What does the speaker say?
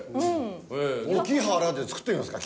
木原で作ってみますか？